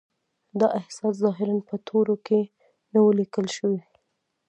دا احساس ظاهراً په تورو کې نه و لیکل شوی